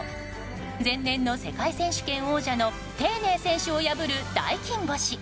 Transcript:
前年の世界選手権王者のテイ・ネイ選手を破る大金星。